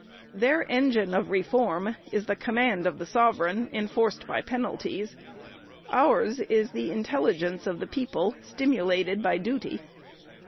Their engine of reform is the command of the sovereign, en forced by penalties ; ours is the intelligence of the people, stimulated by duty.